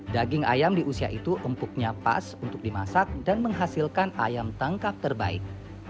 daging ayam di usia itu empuknya pas untuk dimasak dan menghasilkan ayam tangkap terbaik